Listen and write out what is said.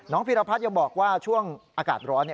พีรพัฒน์ยังบอกว่าช่วงอากาศร้อน